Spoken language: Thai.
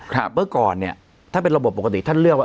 เมื่อก่อนเนี่ยถ้าเป็นระบบปกติท่านเลือกว่า